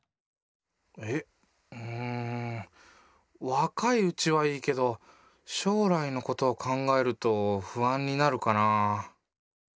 若いうちはいいけど将来のことを考えると不安になるかなぁ。